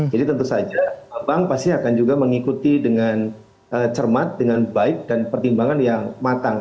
jadi tentu saja bank pasti akan juga mengikuti dengan cermat dengan baik dan pertimbangan yang matang